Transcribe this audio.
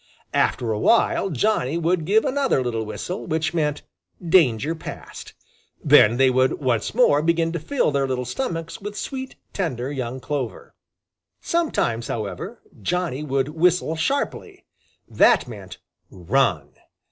After a while Johnny would give another little whistle, which meant "Danger past." Then they would once more begin to fill their little stomachs with sweet, tender, young clover. Sometimes, however, Johnny would whistle sharply. That meant "Run!"